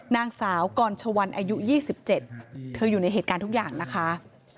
นางสาวก่อนชะวันอายุยี่สิบเจ็ดเธออยู่ในเหตุการณ์ทุกอย่างนะคะ